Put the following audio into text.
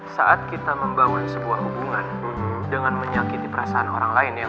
saat kita membawa sebuah hubungan dengan menyakiti perasaan orang lain yang